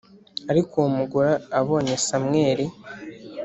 ariko uwo mugore abonye samweli